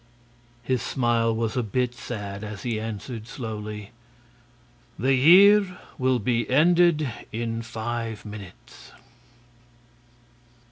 His smile was a bit sad as he answered, slowly: "The year will be ended in five minutes!"